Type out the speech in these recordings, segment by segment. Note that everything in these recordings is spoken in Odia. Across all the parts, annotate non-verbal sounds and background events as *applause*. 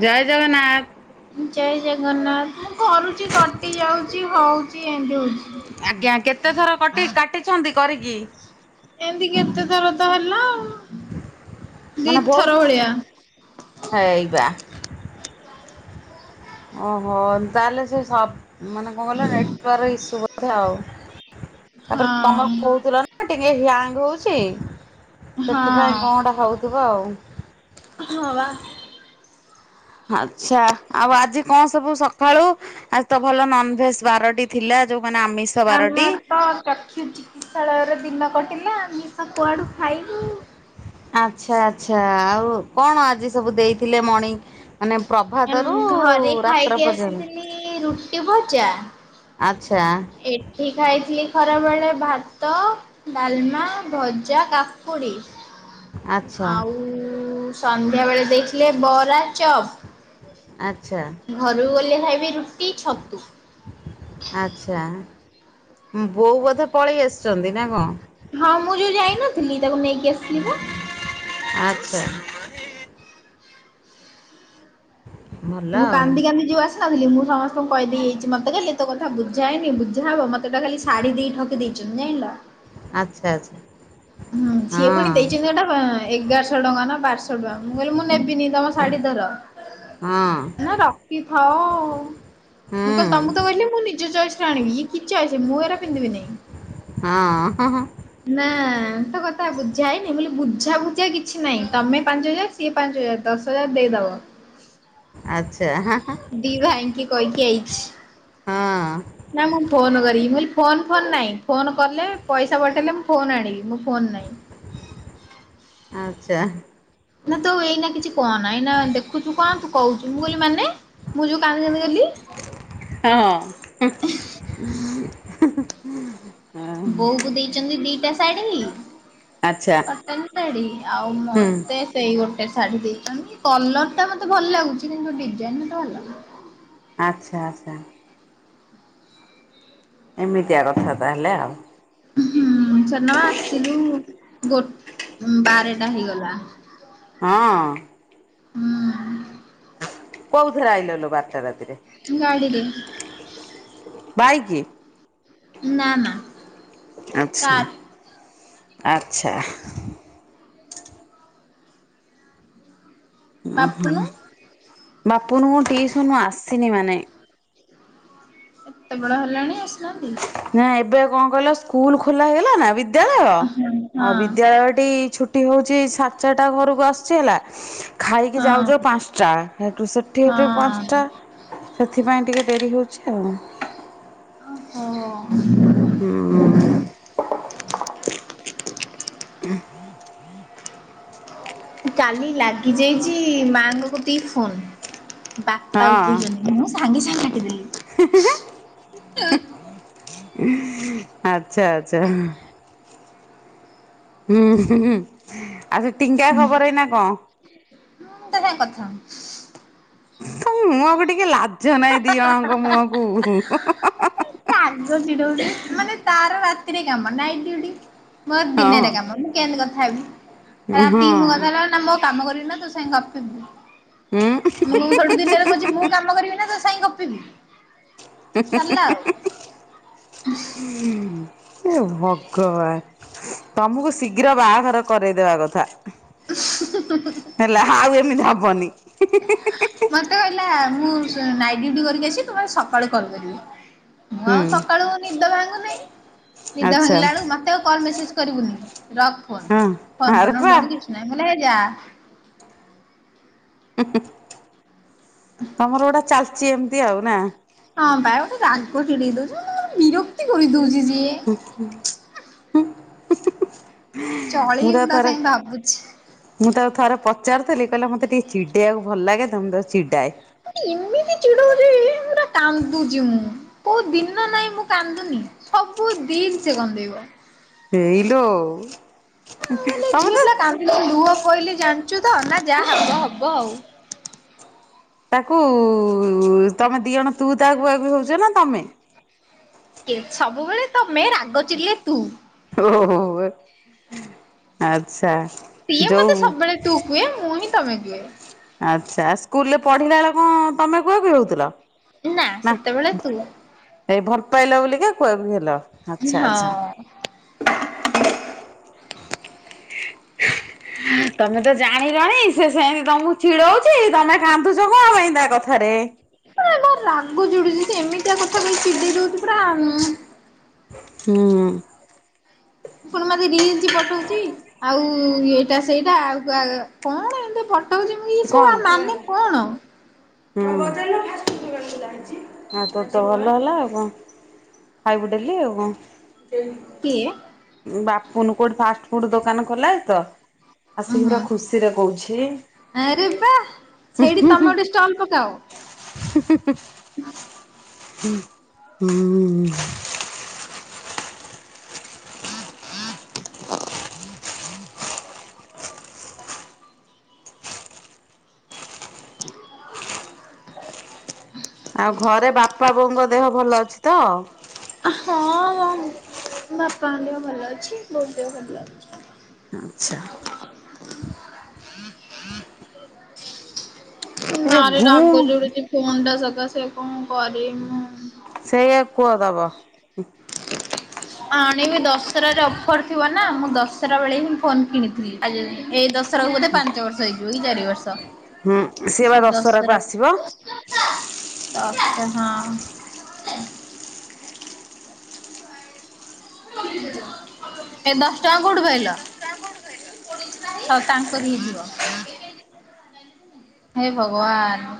ଜୟ ଜଗନ୍ନାଥ। ଜୟ ଜଗନ୍ନାଥ ମୁଁ କରୁଛି କଟି ଯାଉଛି ହଉ ଚି ଏମିତି ହୋଉଛି। ଆଜ୍ଞା କେତେ ଥର କଟି କାଟିଛନ୍ତି କରିକି? ଆ ମାନେ ଦିଥର ବହୁତ ଭଳିଆ। ହେଇବା ଓହୋ ତାହେଲେ ସେ ସବ ମାନେ କଣ କଲେ ନେଟାର୍ ଇସ୍ୟୁ ବୋଧେ ଆଉ। ତାପରେ ତମର ହଁ। କହୁଥିଲ ନା ଟିକେ ହ୍ୟାଙ୍ଗ ହଉଚି। ହଁ ସେଥିପାଇଁ କଣ ଗୋଟେ ହଉଥିବ ଆଉ। ହଁ ପା। ଆଚ୍ଛା ଆଉ ଆଜି କଣ ସବୁ ସକାଳୁ ଆଜି ତ ଭଲ ନନ ଭେଜ ବାରଟି ଥିଲା। ଯୋଉମାନେ ଆମିଷ ଆମର ବାରଟି। ତ ଚାକ୍ଷୁ ଚିକିତ୍ସାଳୟରେ ଦିନ କଟିଲା। ଶ କୁଆଡ଼ୁ ଖାଇଲୁ? ଆଚ୍ଛା ଆଚ୍ଛା ଆଉ କଣ ଆଜି ସବୁ ଦେଇଥିଲେ ମଣିଂ ମାନେ ପ୍ରଭାତରୁ ଘରେ ରାତ୍ର ଖାଇକି ପର୍ଯ୍ୟନ୍ତ। ଆସିଥିଲି ରୁଟି ଭଜା। ଆଚ୍ଛା। ଏଠି ଖାଇଥିଲି ଖରାବେଳେ ଭା ଭାତ, ଡାଲମା, ଭଜା, କାକୁଡ଼ି। ଆଚ୍ଛା ଆଉ ସନ୍ଧ୍ୟାବେଳେ ଦେଇଥିଲେ ବରା, ଚପ। ଆ ଘରକୁ ଗଲେ ଖାଇବି ରୁ ଆଚ୍ଛା। ବୋଉ ବୋଧେ ପଳେଇ ଆସିଛନ୍ତି ନା କଣ? ନଥିଲି ତାକୁ ନେଇକି ଆସିଲି ପା। *inaudible* ଭଲ ମୁଁ ଆଉ କାନ୍ଦି କାନ୍ଦି ଯୋଉ ଆସି ଥିଲି ମୁଁ ସମସ୍ତଙ୍କୁ କହିଦେଇଯାଇଛି ମତେ ଖାଲି ତୋ କଥା ବୁଝାନି ବୁଝା ହେବ ମତେ ତ ଖାଲି ଶାଢ଼ୀ ଦେଇ ଠକି ଦେଇ ଚନ୍ତି ଜାଣିଲ। ଆଚ୍ଛା ଆଚ୍ଛା। ହୁଁ ହଁ ସିଏ ପୁଣି ଦେଇଛନ୍ତିଟା ଏଗାରଶହ ଟଙ୍କା ନା ଆଠଶହ ଟଙ୍କା ମୁଁ କହିଲି ମୁଁ ନେବିନି ତମ ଶାଢୀ ଧର। ହଁ ନା ରଖିଥାଅ ମୁଁ ହୁଁ କହିଲି ତମକୁ ତ କହିଲି ମୁଁ ନିଜ ଚ ଆାଣିବି ଇଏ କି ଚଏସ ମୁଁ ଏରା ପିନ୍ଧିବି ହଁ ହଁ ହଁ ନାହିଁ। ନା ତ କଥା ବୁଝା ହେଇନି ବୋଲି ବୁଝା ବୁଝା କିଛି ନାହିଁ ତମେ ପାଞ୍ଚ ହଜାର ସିଏ ପାଞ୍ଚ ହଜାର ତ ଦଶ ହଜାର ଦେଇଦବ ଆଚ୍ଛା ହଁ ଆଚ୍ଛା ହଁ ଦି ଭାଇକି କହି ଛି ନା ମୁଁ ଫୋନ କରି ଫୋନ ଫୋନଁ ଫୋନ କଲେ ପଇସା ପ ଲେ ମୁ ଫୋ ଆଣିବି ଫୋ ନା ଆଚ୍ଛା ନା ତୁ ଏଇନା କିଛି କହ ନାହିଁ ନା ଦେଖୁଛୁ କଣ ତୁ କହୁଛୁ ମୁଁ କହିଲି ମାନେ ମୁଁ ଯୋଉ କାହି କେମତି କଲି ହଁ ବୋଉକୁ ଦେଇଛନ୍ତି ଦିଟା ଶାଢ଼ୀ ଆଚ୍ଛା କଟନ ଶାଢୀ ଆଉ ମତେ ସେଇ ଗୋଟେ ଗୋଟେ ଶାଢୀ ଦେଇ କଲର ଟା ମତେ ଭଲ ଲାଗୁଛି କିନ୍ତୁ ଡିଜାଇନା ଭଲ ଆଚ୍ଛା ଆଚ୍ଛା ଏମିତିଆ କଥା ତାହେଲେ ଆଉ ହଁ ଛନମା ଆସିଲୁ ଗୋଟେ ବାରଟା ହେଇଗଲା ହଁ ହୁଁ କୋଉ ରେ ଆଇଲଲ ବାର୍ତଟ ତୁ ଗାଡ଼ିିଲରେ ବାଇକି ନା ନା କ ଆଚ୍ଛା ଆଚ୍ଛା ଓ ବାପୁନୁ ବାପୁନୁ ମୁ ଟିସନ ଆସିନି ମାନେ ଏତେ ବଡ ହେଲାଣି ଆସିଲାନ୍ତି ନା ଏବେ କଣ କହିଲ ସ୍କୁଲ ଖୋଲା ହେଇଗଲା ନା ବିଦ୍ୟାଳୟ ହଁ ବିଦ୍ୟାଳୟଟି ଛୁଟି ହଉଛି ସାତ ଚାରିଟା ଘରକୁ ଆସୁଛି ହେଲା ଖାଇକି ଯାଉଛ ପାଞ୍ଚଟା ହେଠୁ ସେଠିଠୁ ହଁ। ପାଞ୍ଚଟା ସେଥିପାଇଁ ଟିକେ ଡରି ହଉଛି ଚଲ ଓ ହୋ ହୋ ହୁଁ କାଲି ଲାଗିଯାଇଛି ମାଙ୍କକୁ ଦେଇ ଫୋନ୍ ବାପା ହଁ ଉଠେଇଛନ୍ତି ମୁଁ ସାଙ୍ଗେ ସାଙ୍ଗେ କାଟିଦେଲି ଆଚ୍ଛା ଆଚଛା ହୁଁ ଆଉ ସେ ଟିଙ୍କା ମୁଁ ଖବର ଏଇନା କଣ ତା ସାଙ୍ଗେ କଥା ହଉନି ମୁଁ ଆକୁ ଟିକେ ଲାଜ ନହିଁ ଦି ଜଣଙ୍କ ମୁହ କ ମାନେ ତାର ରାତିରେ କାମ ନାଇଟ ଡ ମୋର ଦିନରେ କାମ ହଁ ମୁଁ କେମିତି କଥା ହେବି ହଁ ରାତିି ମୁଁ କଥା ହେ ନା ମୁଁଉ କାମ କରିବି ନା ତୁ ସାଙ୍ଗେ ଗପିବୁ ମୁଁ ଘଟୁ ଦିନିଆରେ କହୁଛି ମୁଁ କାମ କରିବି ନା ତ ସାାଇ କ ହ ହ ଏ ଭଗବାନ ତମକୁ ଶୀଘ୍ର ବାହାଘର କରେଇଦବା କଥା ହେଲେ ଆଉ ଏମିତି ହବନି ମତେ କହିଲା ମୁଁ ନାଇଟ୍ ଡୁଟି କରିକି ଆସିି ତୁମେ ସକାଳୁ କଲ କରିବି ମୁଁ ଆଉ ହୁଁ ସକାଳୁ ନିଦ ଭାଙ୍ଗୁ ଦେଇ ନିଦ ଆଚ୍ଛା। ଭାଙ୍ଗିଲା ବେଳକୁ ମତେ ଆଉ କଲ୍ ମେସେଜ କରିବୁନି ରକ୍ ହଁ ଫୋନ ଫନ ଆରେ କରନ ବା ଉଠାଉନ କିଛି ନାହିଁ ଭଲେ ହେଇ ଯା ତମର ଗୋଟା ଚାଲିଛି ଏମିତି ଆଉ ନା ହଁ ଭେ ରାଗ ନେଇ ଦଉଛି ବିରକ୍ତି କରି ଦଉଛି ସିଏ ହ ହ ମୁଁ ଚଳିବି ତା ଥରେ ସାଙ୍ଗେ ଭାବୁଛି। ମୁଁ ତା ଥରେ ପ -ଚାରୁଥିଲି, କହିଲା ମୋତେ ଟିକେ ଚିଡ଼େଇଆ କୁ ଭଲ୍ ଲାଗେ। ତ ମୁଁ ତାକୁ ଚିଡାଏ। ଇମିତି ଚିଡଉଚି ପୁରା କାନ୍ଦୁଛି ମୁଁ। କଉ ଦିନ ନାଇଁ ମୁଁ କାନ୍ଦୁନି। ସବୁ ଦିନ୍‌ ସେ କନ୍ଦେଇବ। ହେଇ ଲୋ ମୁଁ କହିଲି ଝିଅ ପିଲା କାନ୍ଦିଲେ ଲୁହ ପଇଲେ ଜାଣିଚୁ ତ? ନା ଯାହା ହବ ହବ ଆଉ। ତା'କୁ ତମେ ଦି ଜଣ ତୁ ତା କୁହାକୁହି ହଉଚ ନା ତମେ? କେ, ସବୁବେଳେ ତମେ ରାଗ ଚିଡ଼ିଲେ ତୁ। ଓହଃ ଆଚ୍ଛା। ସିଏ ଯୋଉ ମତେ ସବୁବେଳେ ତୁ କୁହେ, ମୁଁ ହିଁ ତମେ କୁଏ। ଆଚ୍ଛା। ସ୍କୁଲ୍ ରେ ପଢିଲା ବେଳ କ'ଣ ତମେ କୁହାକୁହି ହଉଥିଲ? ନା, ସେତେବେଳେ ତୁ ଏଇ ଭଲ୍‌ ପାଇଲ ବୋଲିିକା କୁହାକୁହି ହେଲ। ଆଚ୍ଛା ହଁ! ଆଚ୍ଛା। ତମେ ତ ଜାଣିିଲଣି ସେ ସେନ୍ତି ତମକୁ ଚିଡ଼ଉଚି। ତମେ କାନ୍ଦୁଚ କ'ଣ ପାଇଁ? ତା 'କଥା ରେ ଏ ମୋର୍ ରାଗ ଚିଡୁଚି, ସେ ଏମିତିଆ କଥା କହି ଚିଡେଇ ଦଉଚି ପୁରା। ହୁଁ! ପୁଣି ମତେ ରିଲ୍ସ ପଠଉଚି। ଆଉ ଏଇଟା ସେଇଟା ଆଉ କା କ'ଣ ଏମ୍ତି ଭାବୁଚି ମୁଁ ଇସବୁ ୟା ମାନେ କ'ଣ? ହୁଁ ହଁ! ତୋର ତ ଭଲ ହେଲା ଆଉ ଙ୍କ ଖାଇବୁ ଡେଲି ଆଉ ଙ୍କ। କିଏ? ବାପୁନୁ କଉଠି ଫାଷ୍ଟ୍ ଫୁଡ୍‌ ଦୋକାନ ଖୋଲ୍ଲାଣି ତ। ଆସିକି ଉହୁଁ ପୁରା ଖୁସିରେ କଉଛି। ଆରେ ବା ସେଇଠି ତମେ ଗୋଟେ ଷ୍ଟଲ ପକାଅ। *unintelligible* ହୁ ହୁଁ ଆଉ ଘରେ ବାପା ବୋଉଙ୍କ ଦେହ ଭଲ ଅଛି ତ? ହଁ ମୋ ବାପାଙ୍କ ଦେହ ଭଲ ଅଛି, ବୋଉ ଦେହ ଆଚ୍ଛା! ଏ ଯୋଉ ବାରି ଘୁଁ ରାଗ ଚିଡୁଚି, ଫୋନ୍ ଟା ସକାସେ। କ'ଣ କରିବ୍ ମୁଁ? ସେଇଆ କୁଅ ଦବ। ଆଣିବି ଦଶରା ରେ ଅଫର୍ ଥିବ ନା, ମୁଁ ଦଶରା ବେଳେ ହିଁ ଫୋନ୍ କିଣିଥିଲି। ଏଇ ଦ ଦଶରାକୁ ବୋଧେ ପାଞ୍ଚ ବର୍ଷ ହେଇଯିବ, କି ଚାରି ବର୍ଷ। ହୁଁ ସିଏ ବା *inaudible* ଦସ୍ ଦଶହରାକୁ ଆସିବ। ଟା ହଁ ଏ ଦଶ୍ ଟଙ୍କା କଉଠୁ ପାଇଲ? ଛ, ତାଙ୍କରି ହେଇଥିବ। ହେ ଭଗବାନ୍!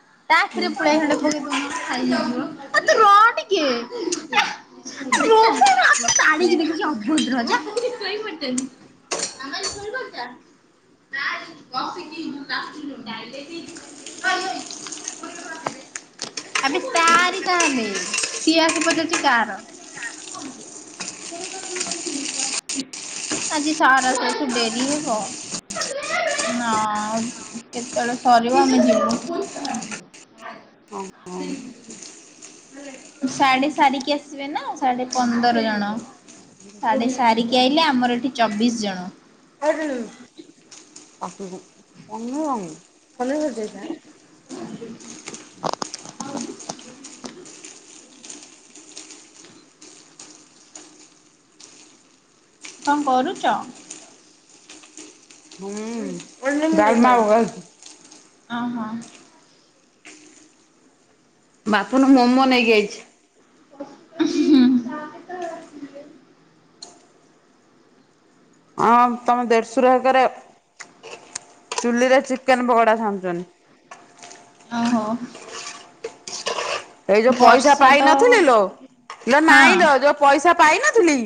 *inaudible* *unintelligible* *inaudible* *unintelligible* *unintelligible* ଆବେ ତାରି ତା ହେଲେ, ସିଏ ଆସି ପଚାରୁଚି କାଆର। *unintelligible* ଆଜି ସାର୍ ଆସୁ ଆସୁ ଡେରି ହେବ। ନା, କେତେଳେ ସରିବ ଆମେ ଯିବୁ। ସାଡେ ସାରିକି ଆସିବେ ନା ସାଡେ ପନ୍ଦର ଜଣ। ସାଡେ ସାରିକି ଆଇଲେ, ଆମର ଏଠି ଚବିଶ୍ ଜଣ। *unintelligible* ଆସିବୁ। କଣ କରୁଚ? ଡାଲମା ଓ *unintelligible* ଅ ହ। ବାପୁନୁ ମୋମୋ ନେଇକି ଆଈଛି। ହୁଁ। ହଁ ତମ ଦେଢସୁର ହେକେରେ ଚୁଲିରେ ଚିକେନ ପକୋଡା ଛାଣୁଚନ୍ତି। ଓ ହୋ। ଏଇ ଯୋଉ ପଇସା ତ ପାଇନଥିଲି ଲୋ ଲୋ ହଁ ନାଇଁ ଲୋ ଯୋଉ ପଇସା ପାଇନଥିଲି,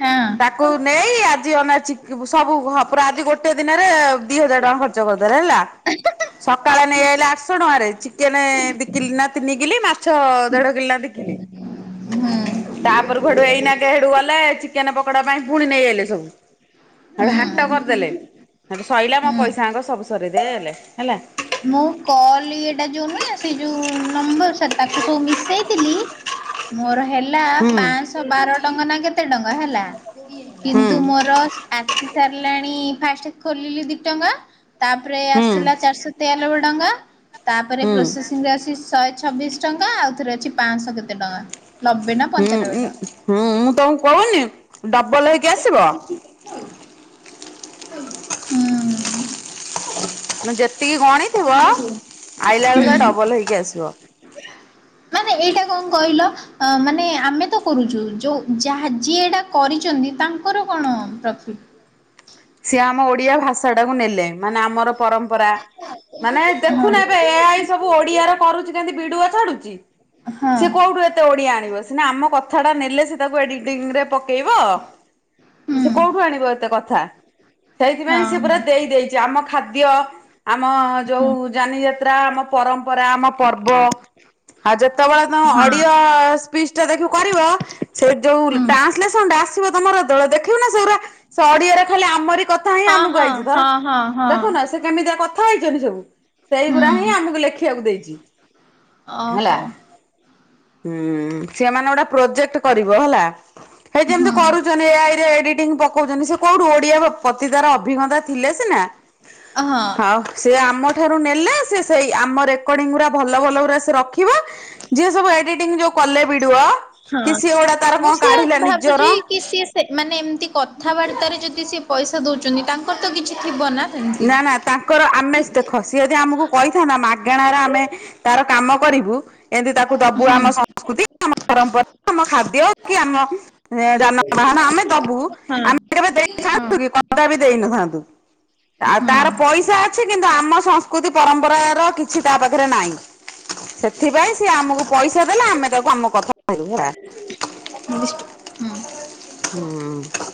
ହଁ ତାକୁ ନେଇ ଆଜି ଅନା ଚି ଦେଖିବୁ ସବୁ ଘ ପୁରା ଆଜି ଗୋଟେ ଦିନରେ ଦି ହଜାର୍ ଟଙ୍କା ଖର୍ଚ୍ଚ କରିଦେଲେ ହେଲା। ସକାଳେ ନେଇଆଇଲେ ଆଠଶ ଟଙ୍କାରେ ଚିକେନେ ଦି କିଲି ନା ତିନି କିଲି, ମାଛ ଦେଢ କିଲି ନା ଦି କିଲି। ହୁଁ ତା ପରକୁ ହେଇଠୁ ଏଇନା କେ ହେଠୁ ଗଲେ, ଚିକେନେ ପକୋଡ଼ା ପାଇଁ ପୁଣି ନେଇ ଆଇଲେ ସବୁ ତାପରେ ହୁଁ ହାଟ କରିଦେଲେ ସେଠୁ ସଇଲା ମୋ ହୁଁ ପଇସାଙ୍କ ସବୁ ସରେଇ ଦେଲେ ହେଲା। ମୁଁ କଲ ଇଏକଟା ଯୋଉ ନୁହେଁ ସେ ଯୋଉ ନମ୍ବର ତାକୁ ସବୁ ମିଶେଇ ଥିଲି। ମୋର ହେଲେ ହେଲା ହୁଁ ପାଞ୍ଚଶହ ବାର ଟଙ୍କା ନା କେତେ ଟଙ୍କା ହେଲା ହୁଁ କିନ୍ତୁ ମୋର ଆସି ସାରିଲାଣି ଫାଷ୍ଟ ଖୋଲିଲି ଦି ଟଙ୍କା ତାପରେ ହୁଁ ଆସିଲା ଚାରିଶହ ତେୟାନବେ ଟଙ୍କା ତାପରେ ହୁଁ ପ୍ରସେଶିଂ ରେ ଆସିଛି ଶହେ ଛବିଶ ଟଙ୍କା ଆଉଥରେ ଅଛି ପାଞ୍ଚଶହ କେତେ ଟଙ୍କା। ନବେ ନା ହୁଁ ପଞ୍ଚାନବେ ଉ ଟଙ୍କା। ହୁଁ ମୁଁ ତମକୁ କହୁନି ଡବଲ ହେଇକି ଆସିବ। ଓଇ ହୁଁ। ତ ଯେତିକି ଗଣିଥିବ ଆଇଲା ବେଳୁ ତ ଡବଲ ହେଇକି ଆସିବ। *unintelligible* ଏଇଟା କଣ କହିଲ ଅ ମାନେ ଆମେ ତ କରୁଛୁ ଯୋଉ ଯାହା ଯିଏ ଏଇଟା କରିଛନ୍ତି ତାଙ୍କ ତାଙ୍କର କଣ ପ୍ରଫି ସିଏ ଆମ ଓଡିଆ ଭାଷା ଟାକୁ ନେଲେ ମାନେ ଆମର ପରମ୍ପରା ମାନେ ହଁ ଦେଖୁନ ଏବେ ଏ ଏଇ ସବୁ ଓଡିଆର କରୁଛି କେମତି ବିଡିଓ ଛାଡୁଛି। ହଁ ସି କୋଉଠୁ ଏତେ ଓଡିଆ ଆଣିବ ସିନା ଆମ କଥାଟା ନେଲେ ସେ ତାକୁ ଏଡିଂରେ ପକେଇବ ହୁଁ ସେ କୋଉଠୁ ଆଣିବ ଏତେ କଥା। ହଁ ସେଇଥିପାଇଁ ସେ ହଁ ପୁରା ଦେଇ ଦେଇଛି ଆମ ଖାଦ୍ୟ ଆମ ଯୋଉ ଜାନି ଯା ଯାତ୍ରା ଆମ ପରମ୍ପରା ଆମ ପର୍ବ ଆଉ ଯେତେ ଯେତେବେଳେ ତମେ ହଁ ହଁ ଅଡିଓ ସ୍ପିଚ ଟା ଦେଖିବୁ କରିବ ସେ ଯୋଉ ହୁଁ ଟ୍ରାନ୍ସଲେସ ଟା ଆସିବ ତମର ଯେତେବେଳ ଦେଖିବୁ ନା ସେରୁଲା ସେ ଅଡିଓ ରେ ଖାଲି ଆମ କଥା ହଁ ଆମକୁ ଆଇଛି ଧର ହଁ ହଁ ତ ହଁ ଦେଖୁନ ସେ କେମିତିଆ କଥା କଥା ହେଇଛନ୍ତି ସବୁ ହୁଁ ସେଇଗୁୁରା ହିଁ ଆମକୁ ଲେଖିବାକୁ ଦେଇଛି। ହେଲା। ଓହୋ। ହୁଁ ସେମାନେ ଗୋଟେ ପ୍ରୋଜେକ୍ଟ କରିବ ହେଲା ହେଇ ଯେମିତି ହଁ କରୁଛନ୍ତି ଏ ଆଇରେ। ଏଡିଟିଙ୍ଗ ପକଉଛନ୍ତି ସେ କୋଉଠୁ ଓଡିଆ କ ଅ ତାର ଅଭିଜ୍ଞତା ଥିଲେ ସିନା ହଁ ଆଉ ସେ ଆମ ଠାରୁ ନେଲେ ସେ ସେଇ ଆମ ରେକର୍ଡିଙ୍ଗ ଗୁଡ଼ା ଭଲ ଭଲ ଗୁଡ଼ା ସେ ରଖିବ ଯିଏ ସବୁ ଏଡିଟିଂ ଯୋଉ କଲେ ବିଡ଼ିଓ ହଁ। ମୁଁ ସେୟା ନିଜର ଭାବୁଛି କି ସିଏ ମାନେ ଏମିତି କଥାବାର୍ତ୍ତାରେ ଯଦି ସିଏ ପଇସା ଦଉଛନ୍ତି ତାଙ୍କର ତ କିଛି ଥିବ ନା। ସେମିତି। ନା ନା ତାଙ୍କର ଆମେ ଦେଖ ଯିଏ ଯଦି ଆମକୁ କହିଥାନ୍ତା ମାଗଣାରେ ଆମେ ତାର କାମ କରିବୁ ଏମିତି ତାକୁ କୁ ଦବୁ ହୁଁ। ଆମ ସଂସ୍କୃତି ଆମ ପରମ୍ପରା, ଆମ ଖାଦ୍ୟ, କି ଆମ ଯାନବାହାନ ଆମେ ଦବୁ ହଁ ଆମେ କେବେ ହଁ। ଦେଇଥାନ୍ତୁ କି? କଦା ବି ଦେଇ ନଥାନ୍ତୁ। ଆଉ ତାର ହୁଁ ପଇସା ଅଛି କିନ୍ତୁ ଆମ ସଂସ୍କୃତି ପରମ୍ପରାର କିଛି ତା ପାଖରେ ନାହିଁ। ସେଥିପାଇଁ ସିଏ ଆମକୁ ପଇସା ଦେଲେ ଆମେ ତାକୁ ଆମ କଥା *unintelligible* ବିଷ୍ଟ ହୁଁ ହୁଁ।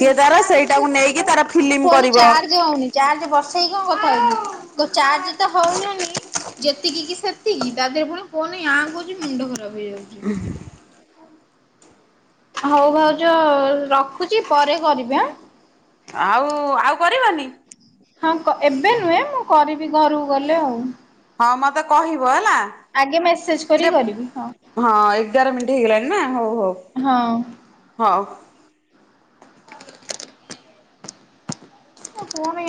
ସେତାର ସେଇଟାକୁ ନେଇକି ତାର ମୋ ଫିଲ୍ମ ଫୋନ କରିବ। ଚାର୍ଜ ହଉନି, ଚାର୍ଜ ବର୍ଷେଇକି କଣ କଥା ହଉଛୁ। ଚାର୍ଜ ତ ହଉନି ହଉନି ଯେତିକି କି ସେତିକି ତା ଦେହରେ ପୁଣି ଫୋନ୍ ହାଙ୍ଗ ହୋଉଛି ମୁଣ୍ଡ ଖରାପ। ରହି ଯାଉଛି। ହଉ ଭାଉଛ ରଖୁଛି ପରେ କରିବି ଆଁ। ଆଉ ଆଉ କରିବନି। ହଁ ଏବେ ନୁହେଁ ମୁଁ କରିବି ଘରକୁ ଗଲେ ଆଉ। ହଁ ମତେ କହିବ ହେଲା। ଆଗେ ମେସେଜ କରି ଇରେ, କରିବି ହଁ ଏଗାର ମିନିଟ ହେଇଗଲାଣି ନା ହଉ ହଉ। ହଁ। ହୋଉ। ମୁଁ ପୁଣି ଆପ